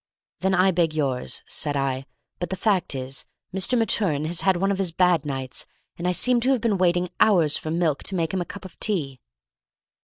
"Then I beg yours," said I; "but the fact is, Mr. Maturin has had one of his bad nights, and I seem to have been waiting hours for milk to make him a cup of tea."